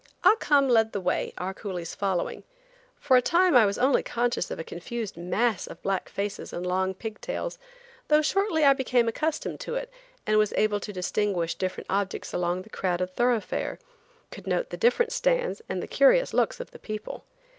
Ah Cum led the way, our coolies following. For a time I was only conscious of a confused mass of black faces and long pig tails, though shortly I became accustomed to it, and was able to distinguish different objects along the crowded thoroughfare; could note the different stands and the curious looks of the people.